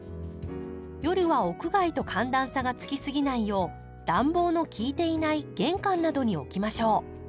夜は屋外と寒暖差がつきすぎないよう暖房の効いていない玄関などに置きましょう。